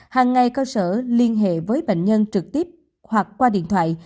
hàng ngày cơ sở liên hệ với bệnh nhân trực tiếp hoặc qua điện thoại